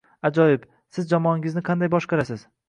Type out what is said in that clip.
Ajoyib. Siz jamoangizni qanday boshqarasiz?